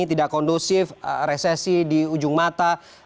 tidak kondusif resesi di ujung mata